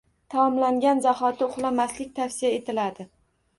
Taomlangan zahoti uxlamaslik tavsiya etiladi.